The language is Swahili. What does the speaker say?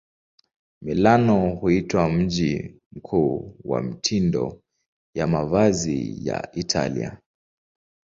Milano huitwa mji mkuu wa mitindo ya mavazi ya Italia.